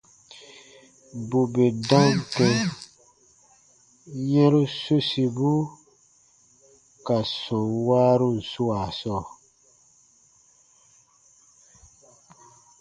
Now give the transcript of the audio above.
Bù bè dam kɛ̃ yɛ̃ru sosibu ka sɔm waarun swaa sɔɔ,